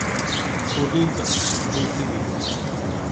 Kul iḍ tessedhuyeḍ-iyi.